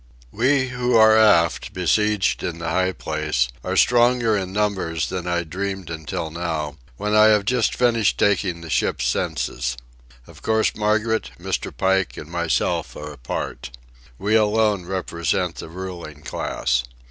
We who are aft, besieged in the high place, are stronger in numbers than I dreamed until now, when I have just finished taking the ship's census. Of course Margaret, Mr. Pike, and myself are apart. We alone represent the ruling class.